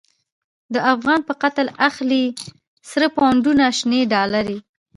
د افغان په قتل اخلی، سره پونډونه شنی ډالری